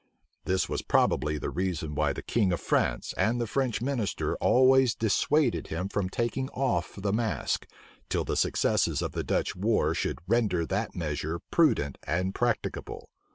This was probably the reason why the king of France and the French minister always dissuaded him from taking off the mask, till the successes of the Dutch war should render that measure prudent and practicable.